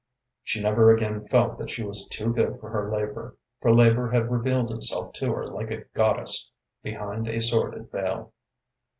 She never again felt that she was too good for her labor, for labor had revealed itself to her like a goddess behind a sordid veil.